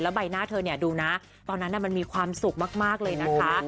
ใบหน้าเธอเนี่ยดูนะตอนนั้นมันมีความสุขมากเลยนะคะ